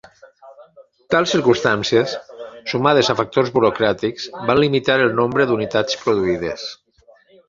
Tals circumstàncies, sumades a factors burocràtics, van limitar el nombre d'unitats produïdes.